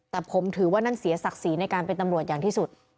แต่ผมถือว่านั่นเสียศักดิ์ศรีในการเป็นตำรวจอย่างที่สุด